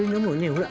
ほら！